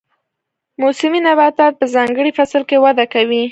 موسمي نباتات په ځانګړي فصل کې وده کوي